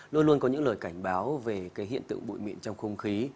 luôn luôn có những lời cảnh báo về cái hiện tượng bụi mịn trong không khí